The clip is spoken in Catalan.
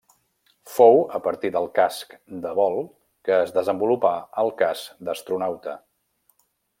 Fou a partir del casc de vol que es desenvolupà el casc d'astronauta.